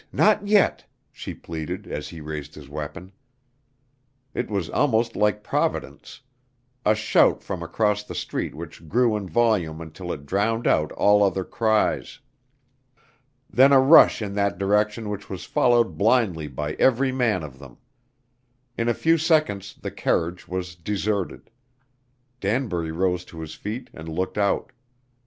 Not yet," she pleaded as he raised his weapon. It was almost like Providence; a shout from across the street which grew in volume until it drowned out all other cries. Then a rush in that direction which was followed blindly by every man of them. In a few seconds the carriage was deserted. Danbury rose to his feet and looked out.